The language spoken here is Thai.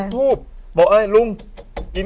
คือเค้ามีจูดทูบ